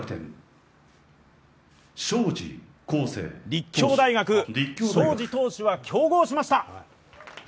立教大学、荘司投手は競合しました。